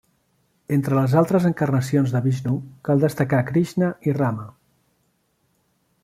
Entre les altres encarnacions de Vixnu cal destacar Krixna i Rama.